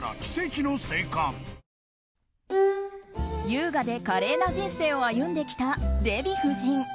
優雅で華麗な人生を歩んできたデヴィ夫人。